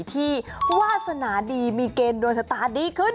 ที่วาสนาดีมีเกณฑ์โดนชะตาดีขึ้น